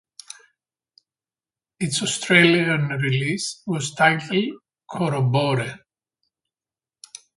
Its Australian release was titled Corroboree.